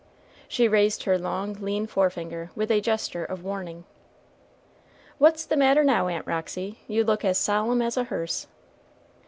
She raised her long, lean forefinger with a gesture of warning. "What's the matter now, Aunt Roxy? You look as solemn as a hearse."